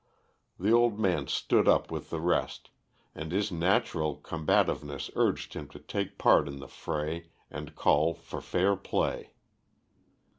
The old man stood up with the rest, and his natural combativeness urged him to take part in the fray and call for fair play.